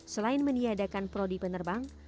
selain meniadakan prodi penerbang